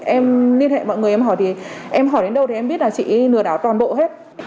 em liên hệ mọi người em hỏi thì em hỏi đến đâu thì em biết là chị lừa đảo toàn bộ hết